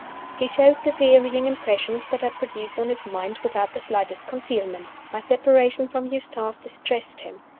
He showed the varying impressions that I produced on his mind without the slightest concealment. My separation from Eustace distressed him.